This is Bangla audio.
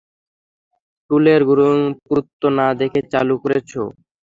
টুলের পুরুত্ব না দেখেই চালু করেছ!